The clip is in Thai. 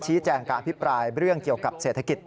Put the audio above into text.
ชี้แจงการอภิปรายเรื่องเกี่ยวกับเศรษฐกิจ